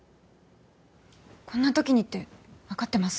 こんな時にって分かってます